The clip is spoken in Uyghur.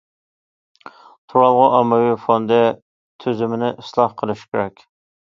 تۇرالغۇ ئاممىۋى فوندى تۈزۈمىنى ئىسلاھ قىلىش كېرەك.